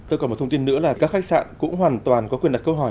tôi còn một thông tin nữa là các khách sạn cũng hoàn toàn có quyền đặt câu hỏi